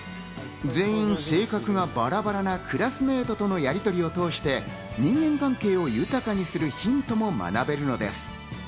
全員性格はバラバラなクラスメートとのやりとりを通して、人間関係を豊かにするヒントも学べるのです。